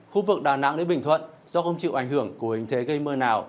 khu vực đà nẵng đến bình thuận do không chịu ảnh hưởng của hình thế gây mưa nào